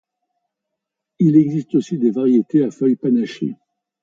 Il existe aussi des variétés à feuilles panachées.